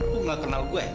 kau gak kenal gue